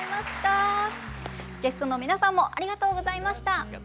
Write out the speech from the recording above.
ゲストの皆さんもありがとうございました。